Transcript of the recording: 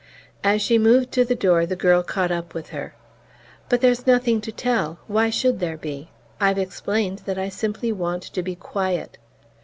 As she moved to the door the girl caught up with her. "But there's nothing to tell: why should there be? I've explained that I simply want to be quiet."